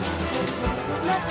待って！